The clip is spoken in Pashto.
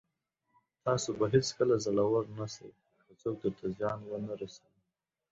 تاسو به هېڅکله زړور نسٸ، که څوک درته زيان ونه رسوي.